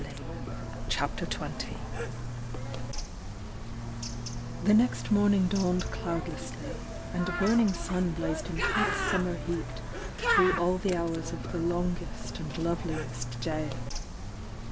Mr: CHAPTER XX The next morning dawned cloudlessly, and a burning sun blazed intense summer heat through all the hours of the longest and loveliest day.